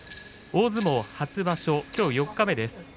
大相撲初場所、きょう四日目です。